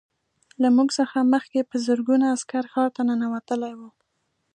له موږ څخه مخکې په زرګونه عسکر ښار ته ننوتلي وو